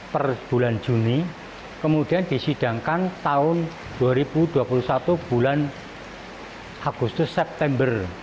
per bulan juni kemudian disidangkan tahun dua ribu dua puluh satu bulan agustus september